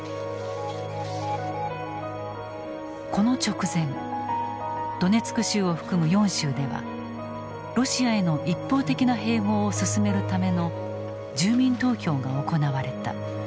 この直前ドネツク州を含む４州ではロシアへの一方的な併合を進めるための住民投票が行われた。